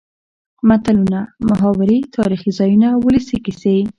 متلونه ،محاورې تاريخي ځايونه ،ولسي کسې.